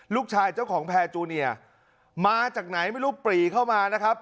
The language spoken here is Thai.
เจ้าของแพรจูเนียมาจากไหนไม่รู้ปรีเข้ามานะครับ